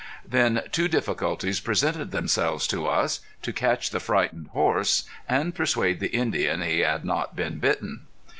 Then two difficulties presented themselves to us, to catch the frightened horse and persuade the Indian he had not been bitten.